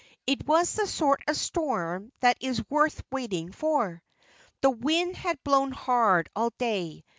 It was the sort of storm that is worth waiting for. The wind had blown hard all day.